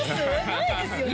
ないですよね？